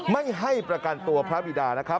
ไม่ให้ประกันตัวพระบิดานะครับ